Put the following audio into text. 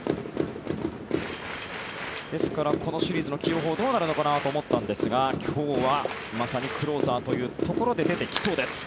ですから、このシリーズの起用法はどうなるのかと思ったら今日は、まさにクローザーというところで出てきそうです。